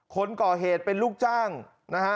คนก่อเหตุเป็นลูกจ้างนะฮะ